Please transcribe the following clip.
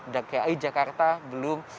dki jakarta belum